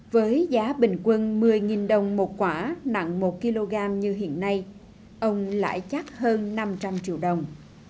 với giá bình quân một mươi đồng một quả nặng một kg như hiện nay ông lại chắc hơn năm trăm linh triệu đồng